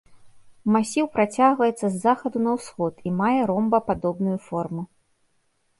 Масіў працягваецца з захаду на ўсход і мае ромбападобную форму.